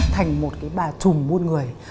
thành một cái bà trùm buồn người